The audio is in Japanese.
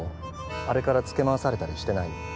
あれからつけ回されたりしてない？